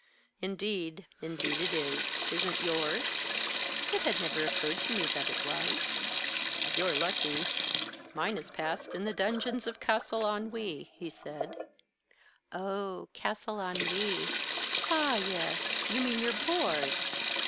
"Indeed, indeed, it is. Isn't yours?" "It had never occurred to me that it was." "You're lucky. Mine is passed in the dungeons of Castle Ennui," he said. "Oh, Castle Ennui. Ah, yes. You mean you're bored?"